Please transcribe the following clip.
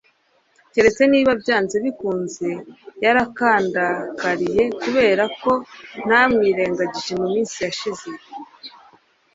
keretse niba byanze bikunze yarandakariye kubera ko ntamwirengagije iminsi yashize